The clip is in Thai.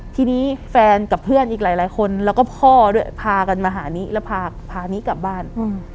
ทีนี้แฟนกับเพื่อนอีกหลายคนแล้วก็พ่อด้วยพากันมาหานี้แล้วพานิกลับบ้าน